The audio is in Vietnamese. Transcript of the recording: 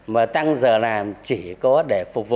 mà tăng giờ làm chỉ có để phục vụ